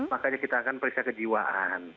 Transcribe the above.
makanya kita akan periksa kejiwaan